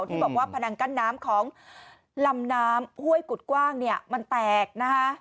ที่บอกว่าพนังกั้นน้ำของลำน้ำห้วยกุฎกว้างเนี่ยมันแตกนะคะ